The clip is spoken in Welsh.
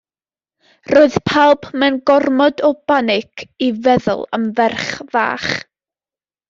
Roedd pawb mewn gormod o banig i feddwl am ferch fach.